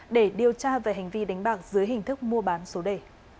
để điều tra về hành vi đánh bạc dưới hình thức mua bán số đề